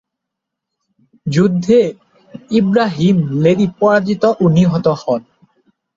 যুদ্ধে ইবরাহিম লোদি পরাজিত ও নিহত হন।